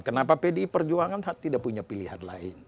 kenapa pdi perjuangan tidak punya pilihan lain